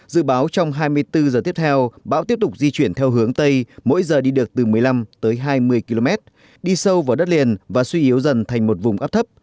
dự báo trong hai mươi bốn giờ tiếp theo bão tiếp tục di chuyển theo hướng tây mỗi giờ đi được từ một mươi năm tới hai mươi km đi sâu vào đất liền và suy yếu dần thành một vùng áp thấp